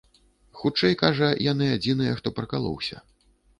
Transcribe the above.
Хутчэй, кажа, яны адзіныя, хто пракалоўся.